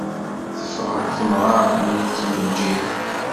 Teffeɣ-d temɣart-nni tettmeǧǧid.